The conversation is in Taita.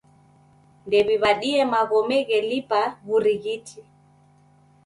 Ndew'iw'adie magome ghelipia w'urighiti.